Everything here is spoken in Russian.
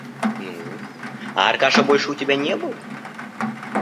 Ну, а Аркаша больше у тебя не был?